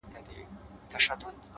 ځوان د سگريټو تسه کړې قطۍ وغورځول؛